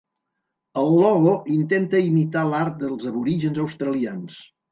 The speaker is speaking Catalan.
El logo intenta imitar l'art dels aborígens australians.